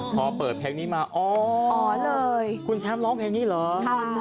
พอเปิดเพลงนี้มาอ๋ออ๋อเลยคุณแชมป์ร้องเพลงนี้เหรอ